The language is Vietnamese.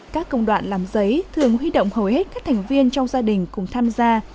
các công đoạn làm giấy thường huy động hầu hết các thành viên trong gia đình cùng tham gia